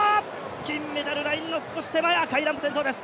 金メダルラインの少し手前だ、赤いランプが点灯します。